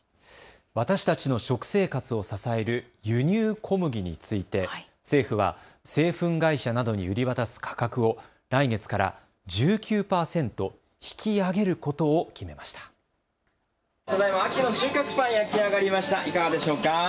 私たちの食生活を支える輸入小麦について政府は製粉会社などに売り渡す価格を来月から１９％引き上げることを決めました。